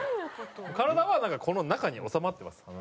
体はこの中に収まってます。